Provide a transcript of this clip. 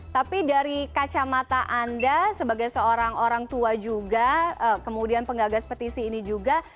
tapi dari kacamata anda sebagai seorang orang tua juga kemudian penggagas petisi ini juga